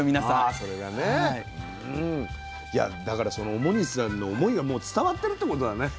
いやだからその表西さんの思いがもう伝わってるってことだね